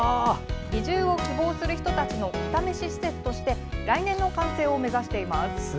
移住を希望する人たちのお試し施設として来年の完成を目指しています。